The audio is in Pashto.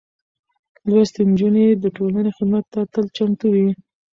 لوستې نجونې د ټولنې خدمت ته تل چمتو وي.